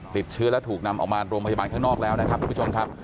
ติดเชื้อและถูกนำออกมาโรงพยาบาลข้างนอกแล้วนะครับทุกผู้ชมครับ